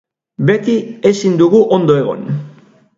Beti ezin dugu ondo egon.